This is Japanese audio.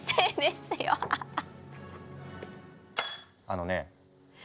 あのねえ。